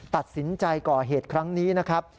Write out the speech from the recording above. ตัดสินใจก่อเหตุครั้งนี้นะครับ